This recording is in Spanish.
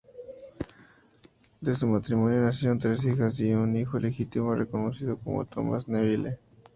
De su matrimonio nacieron tres hijas, y un hijo ilegítimo reconocido, Thomas Neville.